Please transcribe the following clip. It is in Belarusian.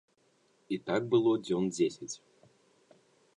І так было дзён дзесяць.